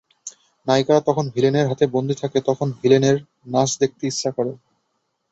নায়িকারা যখন ভিলেনের হাতে বন্দী থাকে তখন ভিলেনের নাচ দেখতে ইচ্ছা করে।